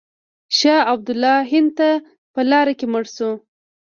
شاه عبدالله هند ته په لاره کې مړ شو.